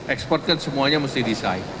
ekspor kan semuanya mesti desain